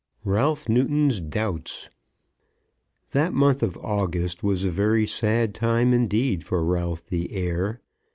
RALPH NEWTON'S DOUBTS. That month of August was a very sad time indeed for Ralph the heir.